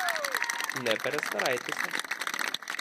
Не перестарайтеся.